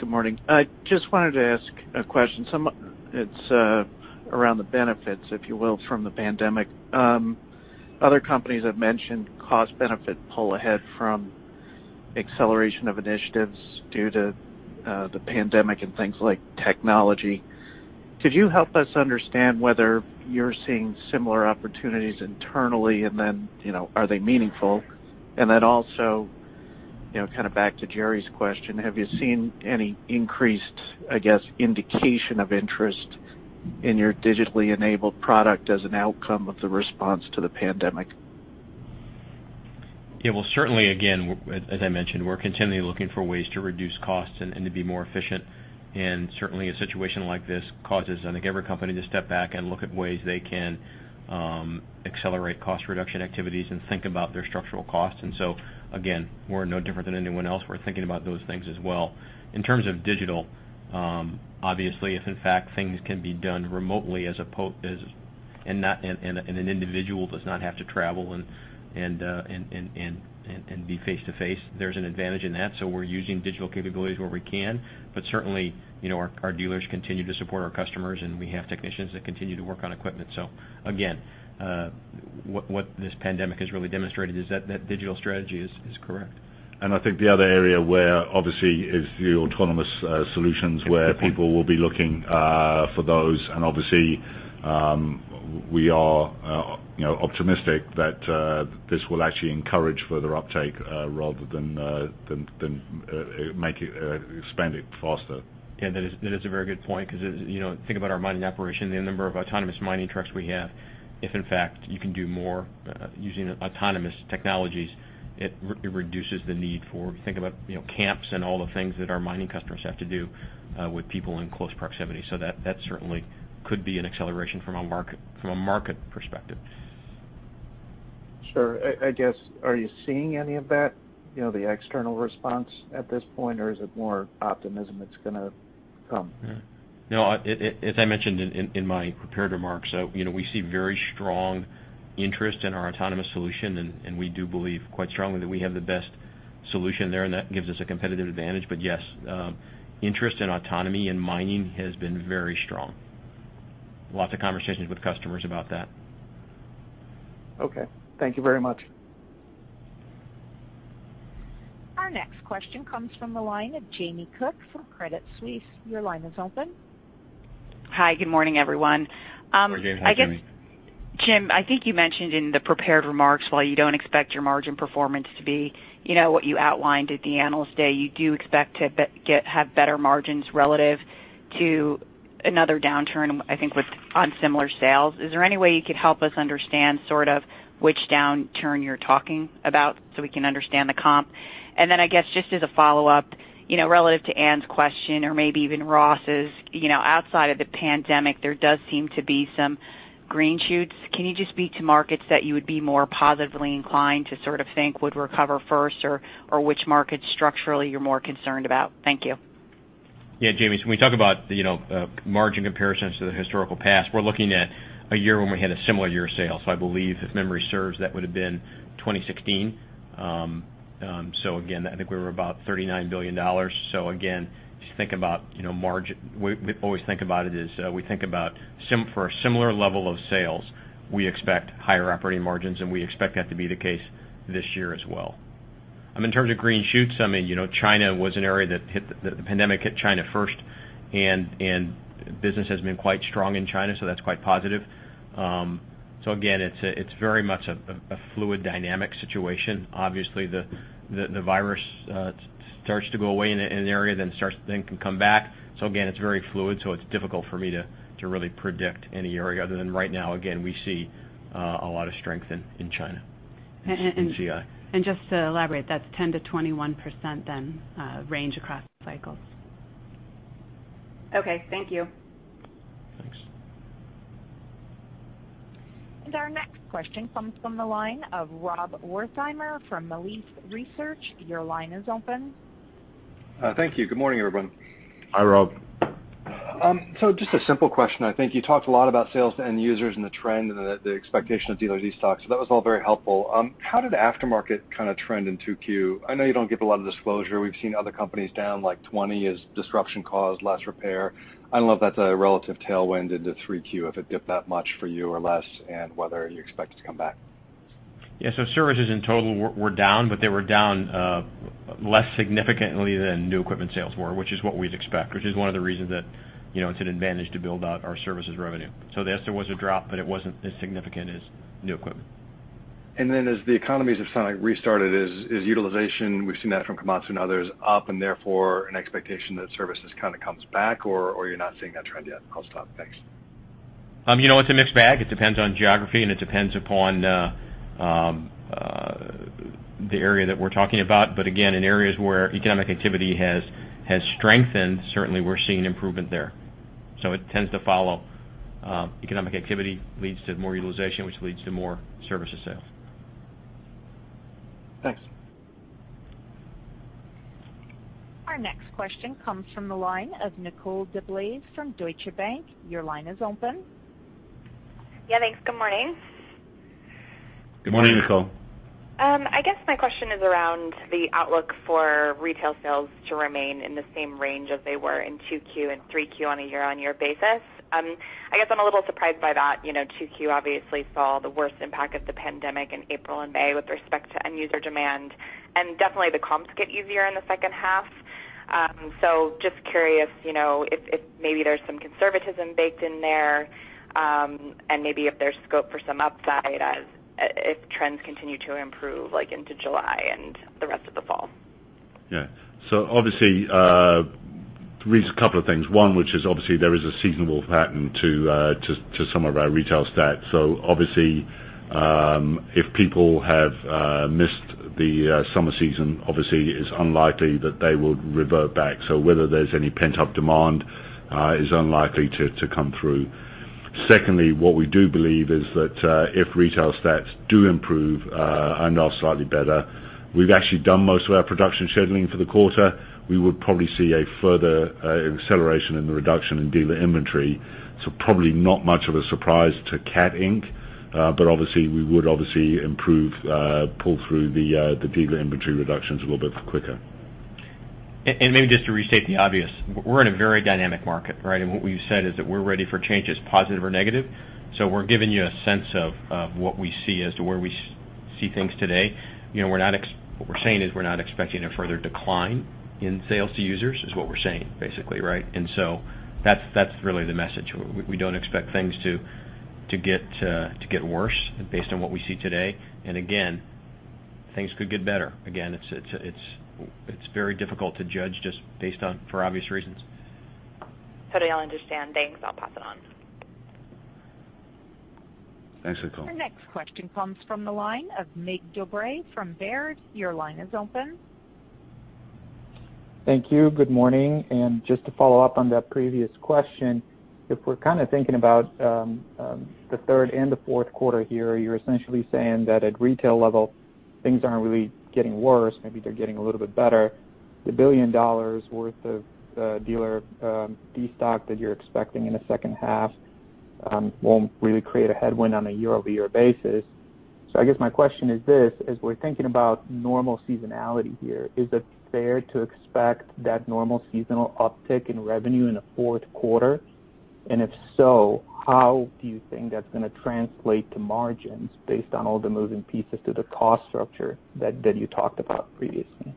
Good morning. I just wanted to ask a question. It's around the benefits, if you will, from the Pandemic. Other companies have mentioned cost benefit pull ahead from acceleration of initiatives due to the Pandemic and things like technology. Could you help us understand whether you're seeing similar opportunities internally, and then are they meaningful? Also, back to Jerry's question, have you seen any increased, I guess, indication of interest in your digitally enabled product as an outcome of the response to the Pandemic?
Yeah, well certainly, again, as I mentioned, we're continually looking for ways to reduce costs and to be more efficient, and certainly a situation like this causes I think every company to step back and look at ways they can accelerate cost reduction activities and think about their structural costs. Again, we're no different than anyone else. We're thinking about those things as well. In terms of digital, obviously if in fact things can be done remotely and an individual does not have to travel and be face to face, there's an advantage in that. We're using digital capabilities where we can, but certainly our dealers continue to support our customers and we have technicians that continue to work on equipment. Again, what this pandemic has really demonstrated is that that digital strategy is correct.
I think the other area where obviously is the autonomous solutions where people will be looking for those and obviously, we are optimistic that this will actually encourage further uptake rather than expand it faster.
Yeah, that is a very good point because think about our mining operation, the number of autonomous mining trucks we have. If in fact you can do more using autonomous technologies, it reduces the need for, think about camps and all the things that our mining customers have to do with people in close proximity. That certainly could be an acceleration from a market perspective.
Sure. I guess, are you seeing any of that, the external response at this point, or is it more optimism it's going to come?
As I mentioned in my prepared remarks, we see very strong interest in our autonomous solution and we do believe quite strongly that we have the best solution there and that gives us a competitive advantage. Yes, interest in autonomy in mining has been very strong. Lots of conversations with customers about that.
Okay. Thank you very much.
Our next question comes from the line of Jamie Cook from Credit Suisse. Your line is open.
Hi. Good morning, everyone.
Morning. Hi Jamie.
I guess, Jim, I think you mentioned in the prepared remarks while you don't expect your margin performance to be what you outlined at the Analyst Day, you do expect to have better margins relative to another downturn, I think with on similar sales. Is there any way you could help us understand sort of which downturn you're talking about so we can understand the comp? I guess just as a follow-up, relative to Ann's question or maybe even Ross's, outside of the pandemic there does seem to be some green shoots. Can you just speak to markets that you would be more positively inclined to sort of think would recover first or which markets structurally you're more concerned about? Thank you.
Jamie. When we talk about margin comparisons to the historical past, we're looking at a year when we had a similar year of sales. I believe if memory serves, that would have been 2016. Again, I think we were about $39 billion. Again, we always think about it as for a similar level of sales, we expect higher operating margins and we expect that to be the case this year as well. In terms of green shoots, China was an area that the pandemic hit China first and business has been quite strong in China, that's quite positive. Again, it's very much a fluid dynamic situation. Obviously the virus starts to go away in an area then can come back. Again, it's very fluid so it's difficult for me to really predict any area other than right now, again we see a lot of strength in China.
Just to elaborate, that's 10%-21% target range across the cycles.
Okay, thank you.
Thanks.
Our next question comes from the line of Rob Wertheimer from Jefferies LLC. Your line is open.
Thank you. Good morning, everyone.
Hi, Rob.
Just a simple question. I think you talked a lot about sales to end users and the trend and the expectation of dealer de-stock. That was all very helpful. How did aftermarket kind of trend in 2Q? I know you don't give a lot of disclosure. We've seen other companies down like 20%, as disruption caused less repair. I don't know if that's a relative tailwind into 3Q, if it dipped that much for you or less, and whether you expect it to come back.
Yeah. Services in total were down, but they were down less significantly than new equipment sales were, which is what we'd expect, which is one of the reasons that it's an advantage to build out our services revenue. Yes, there was a drop, but it wasn't as significant as new equipment.
As the economies have restarted, is utilization, we've seen that from Komatsu and others, up and therefore an expectation that services kind of comes back, or you're not seeing that trend yet? I'll stop. Thanks.
It's a mixed bag. It depends on geography, and it depends upon the area that we're talking about. Again, in areas where economic activity has strengthened, certainly we're seeing improvement there. It tends to follow. Economic activity leads to more utilization, which leads to more services sales.
Thanks.
Our next question comes from the line of Nicole DeBlase from Deutsche Bank. Your line is open.
Yeah, thanks. Good morning.
Good morning, Nicole.
I guess my question is around the outlook for retail sales to remain in the same range as they were in 2Q and 3Q on a year-on-year basis. I guess I'm a little surprised by that. 2Q obviously saw the worst impact of the pandemic in April and May with respect to end user demand, and definitely the comps get easier in the second half. Just curious if maybe there's some conservatism baked in there, and maybe if there's scope for some upside as if trends continue to improve into July and the rest of the fall.
Yeah. Obviously, there is a couple of things. One, which is obviously there is a seasonal pattern to some of our retail stats. Obviously, if people have missed the summer season, obviously, it's unlikely that they would revert back. Whether there's any pent-up demand is unlikely to come through. Secondly, what we do believe is that if retail stats do improve and are slightly better, we've actually done most of our production scheduling for the quarter. We would probably see a further acceleration in the reduction in dealer inventory. Probably not much of a surprise to Cat Inc. But obviously, we would improve pull through the dealer inventory reductions a little bit quicker.
Maybe just to restate the obvious, we're in a very dynamic market, right? What we've said is that we're ready for changes, positive or negative. We're giving you a sense of what we see as to where we see things today. What we're saying is we're not expecting a further decline in sales to users, is what we're saying, basically, right? That's really the message. We don't expect things to get worse based on what we see today. Again, things could get better. Again, it's very difficult to judge just based on for obvious reasons.
Totally understand. Thanks. I'll pass it on.
Thanks, Nicole.
Our next question comes from the line of Mircea Dobre from Baird. Your line is open.
Thank you. Good morning. Just to follow-up on that previous question, if we're kind of thinking about the Q3 and the Q4 here, you're essentially saying that at retail level, things aren't really getting worse. Maybe they're getting a little bit better. The $1 billion worth of dealer de-stock that you're expecting in the H2 won't really create a headwind on a year-over-year basis. I guess my question is this: as we're thinking about normal seasonality here, is it fair to expect that normal seasonal uptick in revenue in the Q4? If so, how do you think that's going to translate to margins based on all the moving pieces to the cost structure that you talked about previously?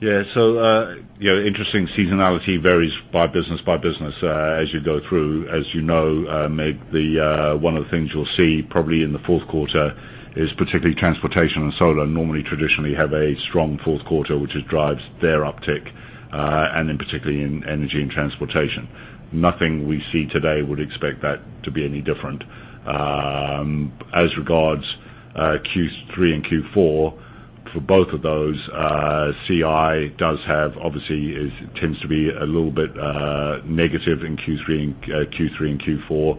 Yeah. Interesting seasonality varies by business as you go through. As you know, Mircea, one of the things you'll see probably in the Q4 is particularly Transportation and Solar Turbines normally traditionally have a strong Q4, which drives their uptick, and in particularly in Energy & Transportation. Nothing we see today would expect that to be any different. As regards Q3 and Q4, for both of those, CI does have obviously, it tends to be a little bit negative in Q3 and Q4.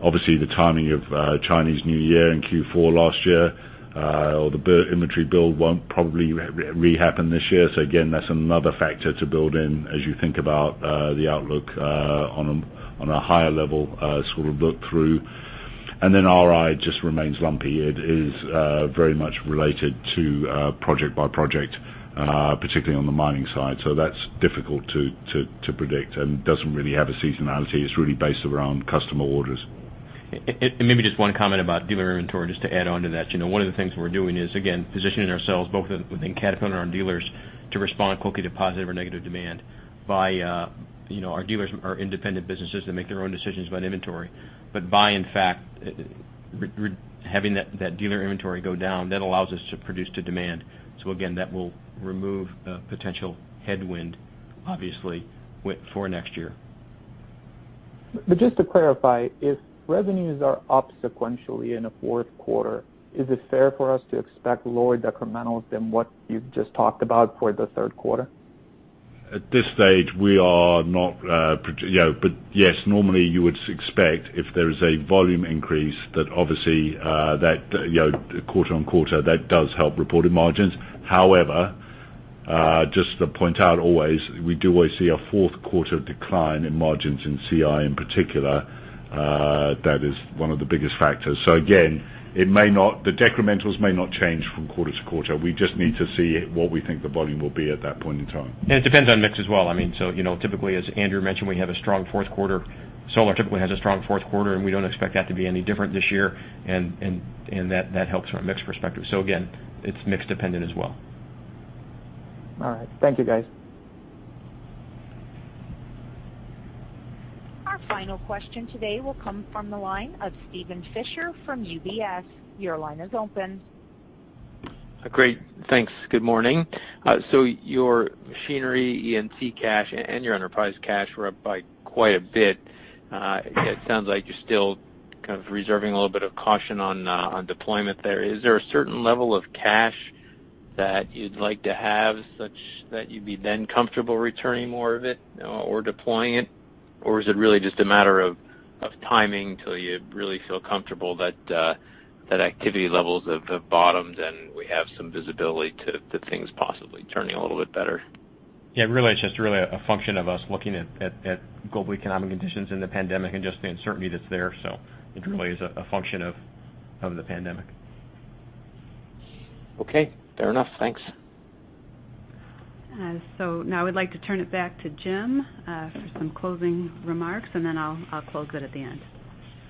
The timing of Chinese New Year in Q4 last year or the inventory build won't probably rehappen this year. Again, that's another factor to build in as you think about the outlook on a higher level sort of look through. RI just remains lumpy. It is very much related to project by project, particularly on the mining side. That's difficult to predict and doesn't really have a seasonality. It's really based around customer orders.
Maybe just one comment about dealer inventory, just to add onto that. One of the things we're doing is, again, positioning ourselves both within Caterpillar and our dealers to respond quickly to positive or negative demand by our dealers, our independent businesses that make their own decisions about inventory. By in fact, having that dealer inventory go down, that allows us to produce to demand. Again, that will remove a potential headwind, obviously, for next year.
Just to clarify, if revenues are up sequentially in a Q4, is it fair for us to expect lower decrementals than what you've just talked about for the Q3?
At this stage, we are not. Yes, normally you would expect if there is a volume increase that obviously quarter-over-quarter, that does help reported margins. Just to point out always, we do always see a Q4 decline in margins in CI in particular. That is one of the biggest factors. Again, the decrementals may not change from quarter-to-quarter. We just need to see what we think the volume will be at that point in time.
It depends on mix as well. Typically, as Andrew mentioned, we have a strong Q4. Solar typically has a strong Q4, and we don't expect that to be any different this year, and that helps from a mix perspective. Again, it's mix dependent as well.
All right. Thank you, guys.
Our final question today will come from the line of Steven Fisher from UBS. Your line is open.
Great. Thanks. Good morning. Your machinery, E&T cash, and your enterprise cash were up by quite a bit. It sounds like you're still kind of reserving a little bit of caution on deployment there. Is there a certain level of cash that you'd like to have such that you'd be then comfortable returning more of it or deploying it? Or is it really just a matter of timing till you really feel comfortable that activity levels have bottomed and we have some visibility to things possibly turning a little bit better?
Yeah, really, it's just really a function of us looking at global economic conditions in the pandemic and just the uncertainty that's there. It really is a function of the pandemic.
Okay. Fair enough. Thanks.
Now I'd like to turn it back to Jim for some closing remarks, and then I'll close it at the end.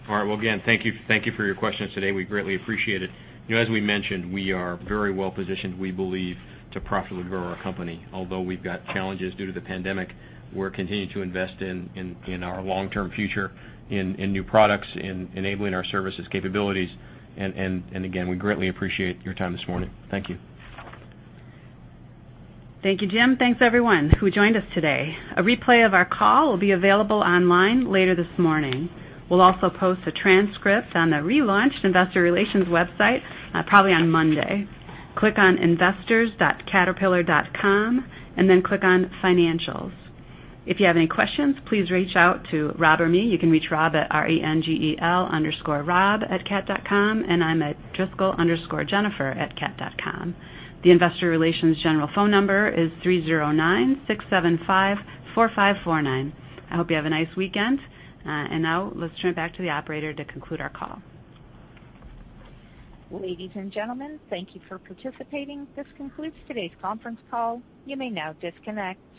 All right. Well, again, thank you for your questions today. We greatly appreciate it. As we mentioned, we are very well positioned, we believe, to profitably grow our company. Although we've got challenges due to the pandemic, we're continuing to invest in our long-term future, in new products, in enabling our services capabilities. Again, we greatly appreciate your time this morning. Thank you.
Thank you, Jim. Thanks, everyone who joined us today. A replay of our call will be available online later this morning. We will also post a transcript on the relaunched investor relations website, probably on Monday. Click on investors.caterpillar.com and then click on Financials. If you have any questions, please reach out to Rob or me. You can reach Rob at R-E-N-G-E-L underscore Rob at cat.com, and I am at Driscoll underscore Jennifer at cat.com. The investor relations general phone number is 309-675-4549. I hope you have a nice weekend. Now, let's turn it back to the operator to conclude our call.
Ladies and gentlemen, thank you for participating. This concludes today's conference call. You may now disconnect.